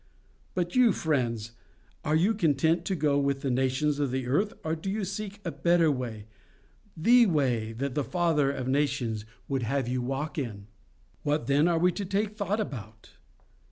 But you, friends, are you content to go with the nations of the earth, or do you seek a better way—THE way that the Father of nations would have you walk in? "WHAT then are we to take thought about?